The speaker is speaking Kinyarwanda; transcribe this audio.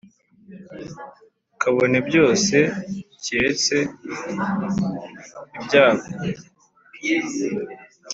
kabone byose kiretse ibyago!”